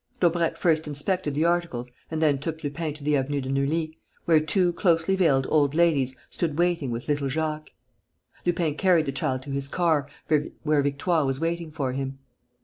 Daubrecq first inspected the articles and then took Lupin to the Avenue de Neuilly, where two closely veiled old ladies stood waiting with little Jacques. Lupin carried the child to his car, where Victoire was waiting for him.